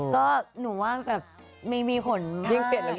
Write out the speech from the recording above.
ก็หนูว่าแบบไม่มีผลมาก